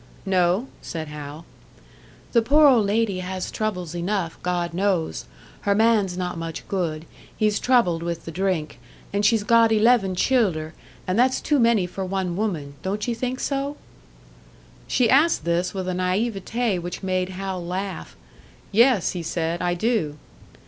"No," said Hal. "The poor old lady has troubles enough, God knows. Her man's not much good he's troubled with the drink; and she's got eleven childer, and that's too many for one woman. Don't ye think so?" She asked this with a naïveté which made Hal laugh. "Yes," he said, "I do."